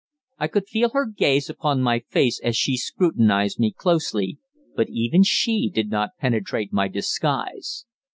I could feel her gaze upon my face as she scrutinized me closely, but even she did not penetrate my disguise.